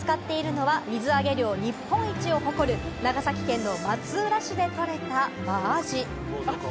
こちらで主に扱っているのは、水揚げ量日本一を誇る、長崎県松浦市でとれたマアジ。